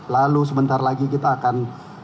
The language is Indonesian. lalu sebentar lagi kita akan